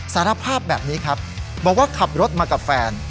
สารภาพแบบนี้ครับบอกว่าขับรถมากับแฟน